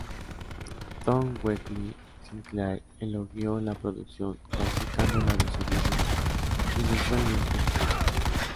Tom Weekly Sinclair elogió la producción, calificándola de ""sonido inusualmente escaso"".